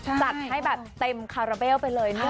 จัดให้แบบเต็มคาราเบลไปเลย